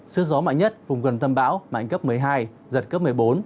sức gió mạnh nhất vùng gần tâm bão mạnh cấp một mươi hai giật cấp một mươi bốn